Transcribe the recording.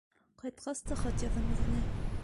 Ҡайтҡас та хат яҙам үҙенә.